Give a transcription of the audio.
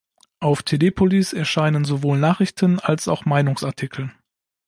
Auf Telepolis erscheinen sowohl Nachrichten- als auch Meinungs-Artikel.